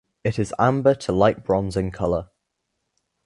It is amber to light bronze in colour.